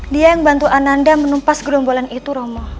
dia yang bantu ananda menumpas gerombolan itu romo